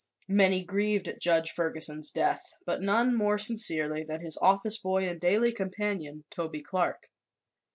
Many grieved at Judge Ferguson's death, but none more sincerely than his office boy and daily companion, Toby Clark.